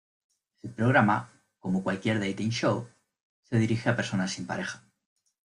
El programa, como cualquier "dating show", se dirige a personas sin pareja.